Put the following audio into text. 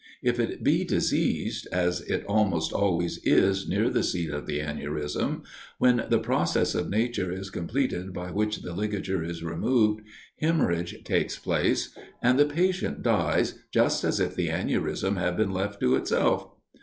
If it be diseased, as it almost always is near the seat of the aneurism, when the process of nature is completed by which the ligature is removed, hemorrhage takes place, and the patient dies just as if the aneurism had been left to itself.